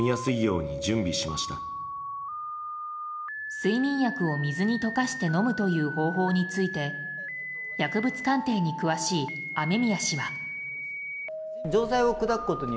睡眠薬を水に溶かして飲むという方法について薬物鑑定に詳しい雨宮氏は。